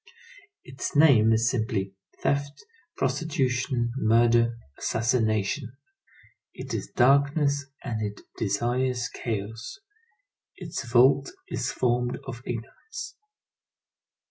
Its name is simply theft, prostitution, murder, assassination. It is darkness, and it desires chaos. Its vault is formed of ignorance.